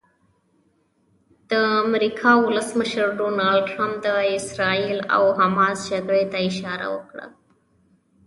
د امریکا ولسمشر ډونالډ ټرمپ د اسراییل او حماس جګړې ته اشاره وکړه.